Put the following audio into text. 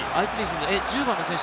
１０番の選手